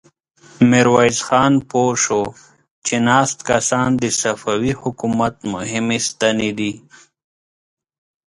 ميرويس خان پوه شو چې ناست کسان د صفوي حکومت مهمې ستنې دي.